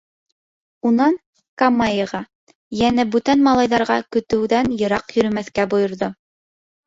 Унан Камайеға, йәнә бүтән малайҙарға көтөүҙән йыраҡ йөрөмәҫкә бойорҙо.